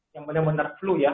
yang benar benar flu ya